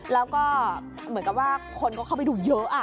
แล้วก็เหมือนกับว่าคนก็เข้าไปดูเยอะ